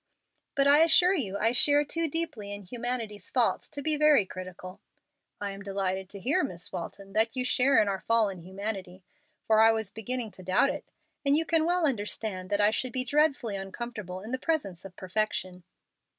But I assure you I share too deeply in humanity's faults to be very critical." "I am delighted to hear, Miss Walton, that you share in our fallen humanity, for I was beginning to doubt it, and you can well understand that I should be dreadfully uncomfortable in the presence of perfection."